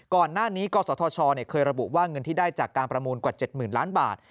ก่อนหน้านี้กศธชเคยระบุว่าเงินที่ได้จากการประมูลกว่า๗๐๐ล้านบาท